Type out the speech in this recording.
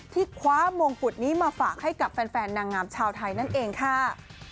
ที่คว้ามงกุฎนี้มาฝากให้กับแฟนนางงามชาวไทยนั่นเองค่ะ